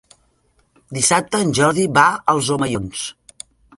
Dissabte en Jordi va als Omellons.